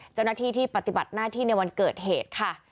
เจ้าหน้าที่ที่ปฏิบัติหน้าที่ในวันเกิดเหตุค่ะ